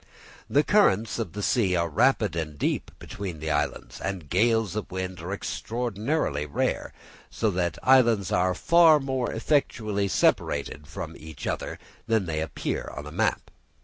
The currents of the sea are rapid and deep between the islands, and gales of wind are extraordinarily rare; so that the islands are far more effectually separated from each other than they appear on a map.